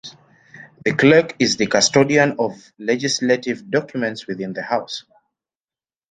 The Clerk is the custodian of legislative documents within the House.